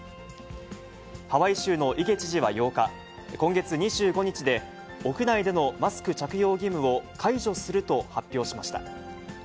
ハワイ州のイゲ知事は８日、今月２５日で、屋内でのマスク着用義務を解除すると発表しました。